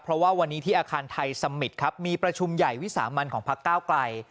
เพราะว่าวันนี้ที่อาคารไทยสมิตรครับมีประชุมใหญ่วิสามันของพักเก้าไกล